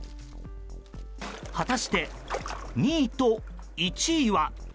果たして２位と１位は？